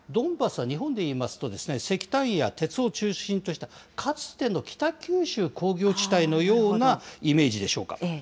ドンバスは日本でいいますと、石炭や鉄を中心としたかつての北九州工業地帯のようなイメージでしょうか。